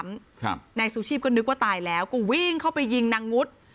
ครับนายซูชีพก็นึกว่าตายแล้วก็วิ่งเข้าไปยิงนางงุด